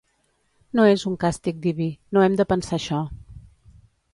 No és un càstig diví, no hem de pensar això.